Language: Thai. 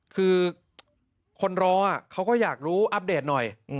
คือคนรอเขาก็อยากรู้อัปเดตหน่อย